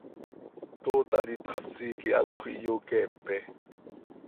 Tootar ipxasi quih anxö iyoqueepe.